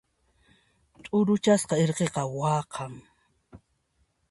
T'uruchasqa irqiqa waqan.